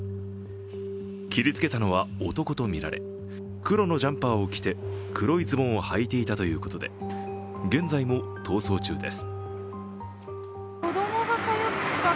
切りつけたのは男とみられ、黒のジャンパーを着て黒いズボンをはいていたということで、現在も逃走中です。